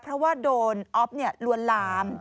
เพราะว่าโดนอ๊อฟลวนลาม